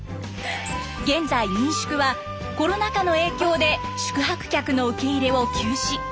現在民宿はコロナ禍の影響で宿泊客の受け入れを休止。